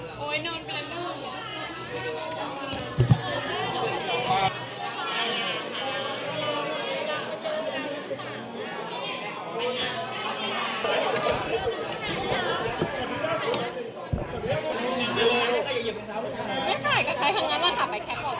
สวัสดีครับ